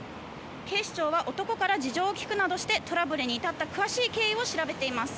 警視庁は男から事情を聴くなどしてトラブルに至った詳しい経緯を調べています。